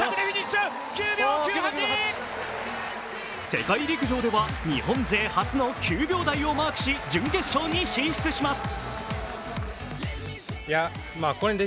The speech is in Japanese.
世界陸上では日本勢初の９秒台をマークし準決勝に進出します。